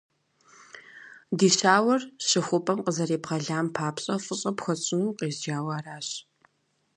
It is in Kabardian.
Ди щауэр щыхупӀэм къызэребгъэлам папщӀэ фӀыщӀэ пхуэсщӀыну укъезджауэ аращ.